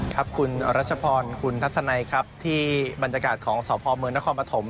ขอบคุณคุณรัชพรคุณทัศนัยที่บรรยากาศของสพมคปฐม